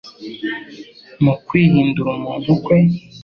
Mu kwihindura umuntu kwe,